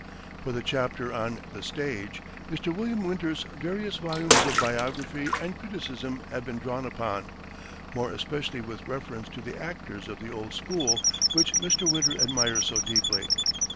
For the chapter on "The Stage," Mr. William Winter's various volumes of biography and criticism have been drawn upon, more especially with reference to the actors of the "old school," which Mr. Winter admires so deeply.